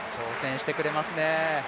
挑戦してくれますね。